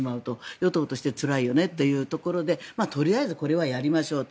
与党としてつらいよねっていうところでとりあえずこれはやりましょうと。